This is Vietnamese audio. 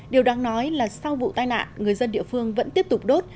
điều đáng nói là sau vụ tai nạn người dân địa phương vẫn tiếp tục đốt